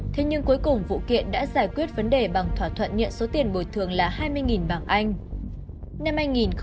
thế nhưng cuối cùng vụ kiện đã giải quyết vấn đề bằng thỏa thuận nhận số tiền bồi thường là hai mươi bảng anh